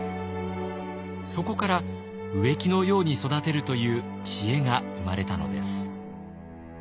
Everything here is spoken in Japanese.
そこから「植木のように育てる」という知恵が生まれたのです。